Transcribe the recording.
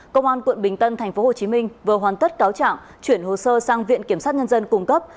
công an quận bình tân tp hcm vừa hoàn tất cáo trạng chuyển hồ sơ sang viện kiểm sát nhân dân cung cấp